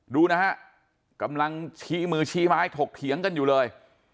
ดูนะฮะกำลังชี้มือชี้ไม้ถกเถียงกันอยู่เลย